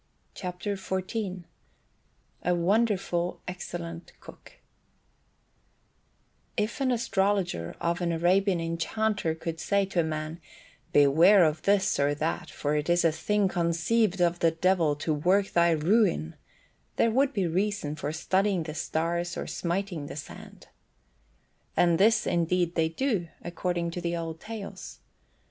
CHAPTER XIV A WONDERFUL EXCELLENT COOK If an astrologer or an Arabian enchanter could say to a man, "Beware of this or that, for it is a thing conceived of the Devil to work thy ruin," there would be reason for studying the stars or smiting the sand. And this, indeed, they do, according to the old tales.